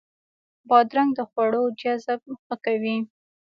بادرنګ د خوړو جذب ښه کوي.